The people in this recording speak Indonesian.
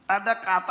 ada yang berkata